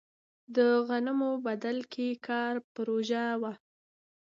د غنمو بدل کې کار پروژه وه.